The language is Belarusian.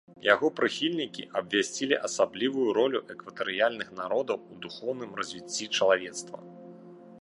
Яго прыхільнікі абвясцілі асаблівую ролю экватарыяльных народаў у духоўным развіцці чалавецтва.